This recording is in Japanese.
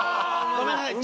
ごめんなさい。